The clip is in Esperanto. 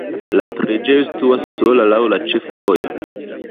La preĝejo situas sola laŭ la ĉefvojo.